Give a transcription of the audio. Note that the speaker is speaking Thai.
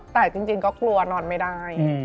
แต่จริงก็กลัวนอนไม่ได้